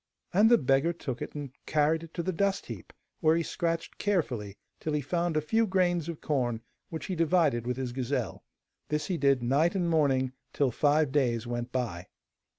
And the beggar took it and carried it to the dust heap, where he scratched carefully till he found a few grains of corn, which he divided with his gazelle. This he did night and morning, till five days went by.